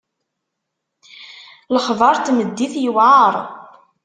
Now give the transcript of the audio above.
Lexbaṛ n tmeddit yewɛeṛ.